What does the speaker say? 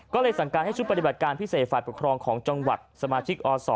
ก็เลยสั่งการให้ชุดปฏิบัติการพิเศษฝ่ายปกครองของจังหวัดสมาชิกอศ